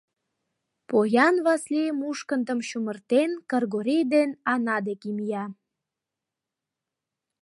Поян Васлий, мушкындым чумыртен, Кыргорий ден Ана деке мия.